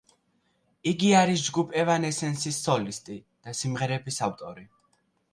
იგი არის ჯგუფ ევანესენსის სოლისტი და სიმღერების ავტორი.